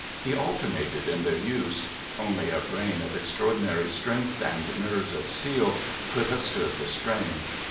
He alternated in their use. Only a brain of extraordinary strength, and nerves of steel, could have stood the strain.